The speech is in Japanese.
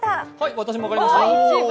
私も分かりました！